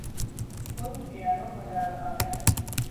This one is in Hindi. कोई पियानो बजा रहा है।